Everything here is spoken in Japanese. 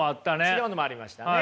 違うのもありましたね。